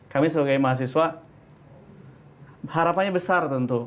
kami sebagai mahasiswa harapannya besar tentu